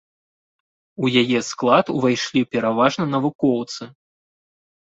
У яе склад увайшлі пераважна навукоўцы.